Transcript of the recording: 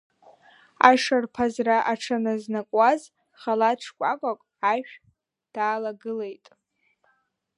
Ашарԥазра аҽаназнакуаз, халаҭ шкәакәак ашә даалагылеит.